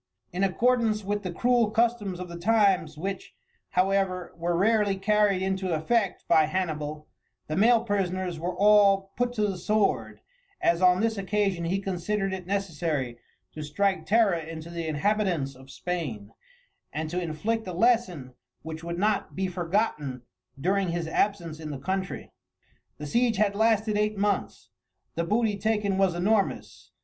In accordance with the cruel customs of the times, which, however, were rarely carried into effect by Hannibal, the male prisoners were all put to the sword, as on this occasion he considered it necessary to strike terror into the inhabitants of Spain, and to inflict a lesson which would not be forgotten during his absence in the country. The siege had lasted eight months. The booty taken was enormous.